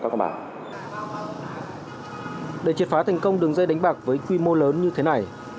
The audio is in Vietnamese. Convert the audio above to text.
kiểu đó đã chết phá thành công đường dây đánh bạc với quy mô lớn như thế này